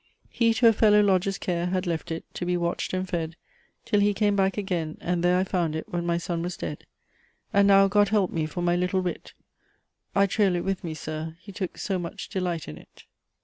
He to a Fellow lodger's care Had left it, to be watched and fed, Till he came back again; and there I found it when my Son was dead; And now, God help me for my little wit! I trail it with me, Sir! he took so much delight in it."